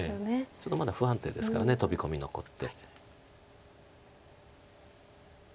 ちょっとまだ不安定ですからトビ込み残って。